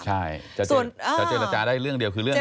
ใช่จะเจรจาได้เรื่องเดียวคือเรื่อง